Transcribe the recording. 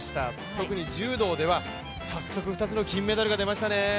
特に柔道では早速、２つの金メダルが出ましたね。